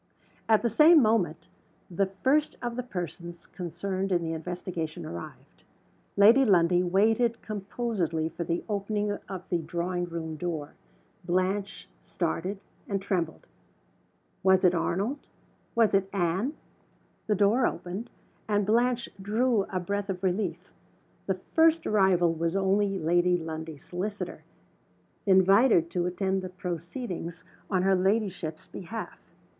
At the same moment the first of the persons concerned in the investigation arrived. Lady Lundie waited composedly for the opening of the drawing room door. Blanche started, and trembled. Was it Arnold? Was it Anne? The door opened and Blanche drew a breath of relief. The first arrival was only Lady Lundie's solicitor invited to attend the proceedings on her ladyship's behalf.